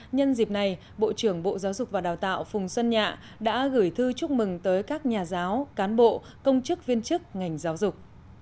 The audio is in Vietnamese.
nhân dịp này bộ trưởng bộ giáo dục và đào tạo phùng xuân nhạ đã gửi thư chúc mừng tới các nhà giáo cán bộ công chức viên chức ngành giáo dục